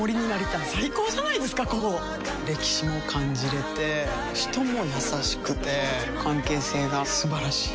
歴史も感じれて人も優しくて関係性が素晴らしい。